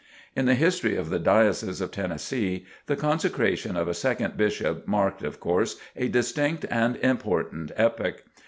In the history of the Diocese of Tennessee, the consecration of a second Bishop marked, of course, a distinct and important epoch.